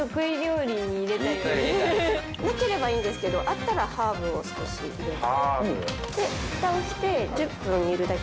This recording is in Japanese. なければいいんですけどあったらハーブを少し入れる。